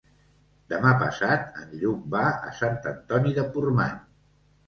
Demà passat en Lluc va a Sant Antoni de Portmany.